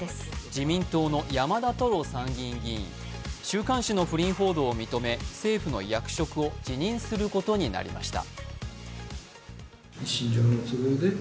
自民党の山田太郎参議院議員、週刊誌の不倫報道を認め、政府の役職を辞任することになりました。